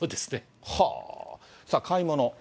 さあ、買い物。